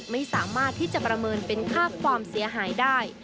ไม่สามารถที่จะประเมินเป็นค่าความเสียหายได้